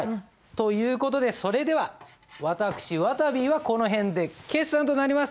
という事でそれでは私わたびはこの辺で決算となります。